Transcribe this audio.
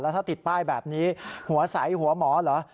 ถ้าติดป้ายแบบนี้หัวใสหัวหมอเหรอ